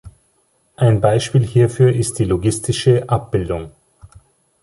Ein Beispiel hierfür ist die logistische Abbildung.